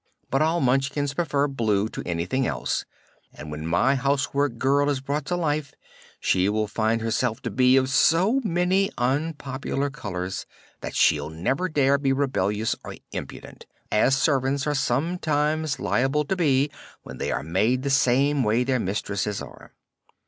But all Munchkins prefer blue to anything else and when my housework girl is brought to life she will find herself to be of so many unpopular colors that she'll never dare be rebellious or impudent, as servants are sometimes liable to be when they are made the same way their mistresses are."